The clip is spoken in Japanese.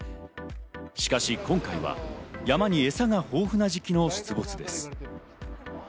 しかし、今回は山にえさが豊富な時期の出没です。